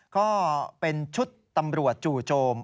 ก็เป็นชุดตำรวจจู่โจม